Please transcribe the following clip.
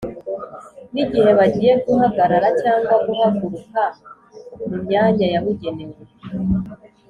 nigihe bagiye guhagarara cg guhaguruka mu myanya yabugenewe